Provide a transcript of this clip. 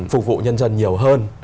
phục vụ nhân dân nhiều hơn